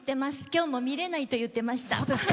今日も見れないと言ってました。